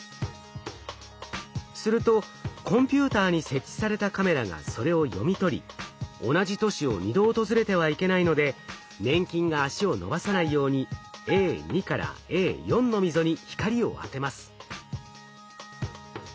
するとコンピューターに設置されたカメラがそれを読み取り同じ都市を２度訪れてはいけないので粘菌が足を伸ばさないようにＡ２からＡ４の溝に光を当てます。